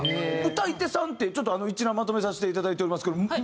歌い手さんってちょっと一覧まとめさせていただいておりますけども。